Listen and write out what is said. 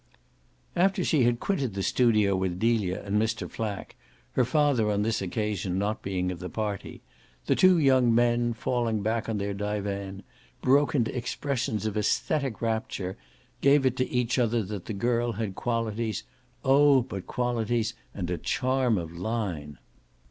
After she had quitted the studio with Delia and Mr. Flack her father on this occasion not being of the party the two young men, falling back on their divan, broke into expressions of aesthetic rapture, gave it to each other that the girl had qualities oh but qualities and a charm of line!